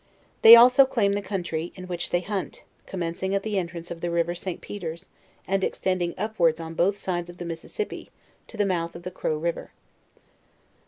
They also claim the country in which they hunt, commencing at the entrance of the river St. Pe ters, and extending apwards. on both sides of the Mississip pi river, to the mouth of the Crow river.